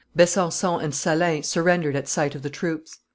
Besancon and Salins surrendered at sight of the troops.